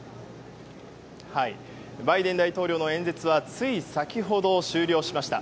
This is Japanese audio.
バイデン大統領の演説はつい先ほど終了しました。